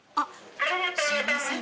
すいません